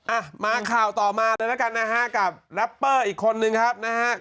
อ่ะมาข่าวต่อมาเลยแล้วกันนะฮะกับแรปเปอร์อีกคนนึงครับนะฮะ